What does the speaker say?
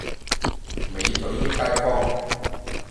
美腿益街坊